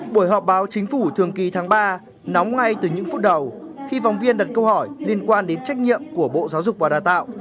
buổi họp báo chính phủ thường kỳ tháng ba nóng ngay từ những phút đầu khi phóng viên đặt câu hỏi liên quan đến trách nhiệm của bộ giáo dục và đào tạo